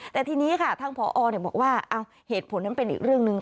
แต่ทีนี้ค่ะทางพอบอกว่าเหตุผลนั้นเป็นอีกเรื่องหนึ่ง